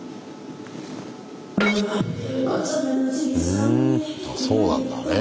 ふんそうなんだね。